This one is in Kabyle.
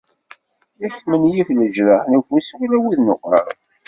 Yak menyif leǧraḥ n ufus wala wid n uqerru.